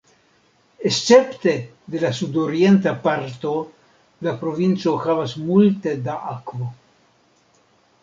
Escepte de la sudorienta parto, la provinco havas multe da akvo.